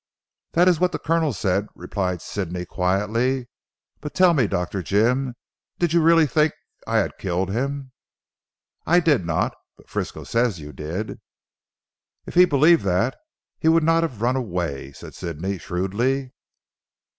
"That is what the Colonel said," replied Sidney quietly. "But tell me, Dr. Jim, did you really think I had killed him?" "I did not. But Frisco says you did." "If he believed that, he would not have run away," said Sidney shrewdly.